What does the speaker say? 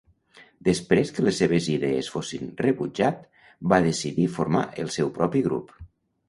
Després que les seves idees fossin rebutjat, va decidir formar el seu propi grup.